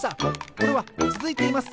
これはつづいています！